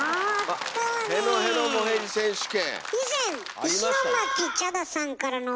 「へのへのもへじ選手権」。